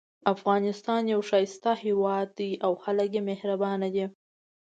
افغانستان یو ښایسته هیواد ده او خلک یې مهربانه دي